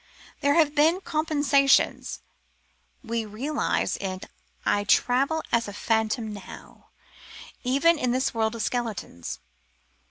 There have been compensations, we realize in I Travel as a Phantom Now, even in this world of skeletons.